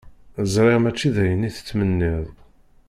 Ẓriɣ mačči d ayen i tettmenniḍ.